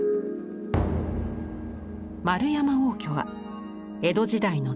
円山応挙は江戸時代の天才絵師。